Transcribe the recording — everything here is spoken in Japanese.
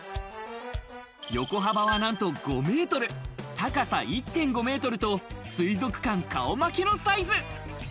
横幅は何と５ｍ、高さ１．５メートルと水族館顔負けのサイズ。